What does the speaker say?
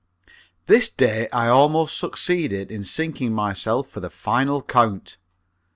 _ This day I almost succeeded in sinking myself for the final count.